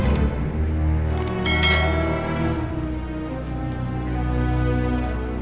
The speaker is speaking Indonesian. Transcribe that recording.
idan kamu mau ikut campur